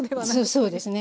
そうですね。